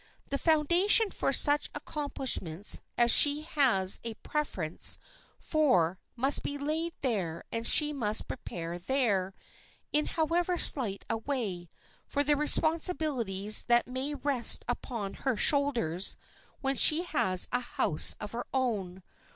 The foundation for such accomplishments as she has a preference for must be laid there and she must prepare there, in however slight a way, for the responsibilities that may rest upon her shoulders when she has a house of her own.